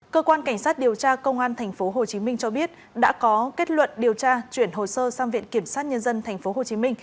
cơ quan cảnh sát điều tra công an tp hcm cho biết đã có kết luận điều tra chuyển hồ sơ sang viện kiểm sát nhân dân tp hcm